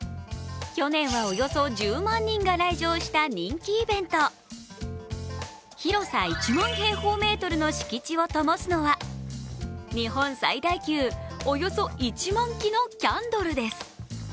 去年はおよそ１０万人が来場した人気イベント広さ１万平方メートルの敷地をともすのは日本最大級、およそ１万基のキャンドルです。